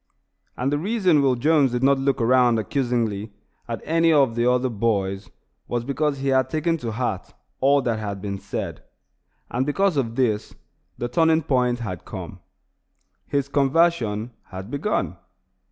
And the reason Will Jones did not look around accusingly at any of the other boys was because he had taken to heart all that had been said; and, because of this, the turning point had come; his conversion had begun.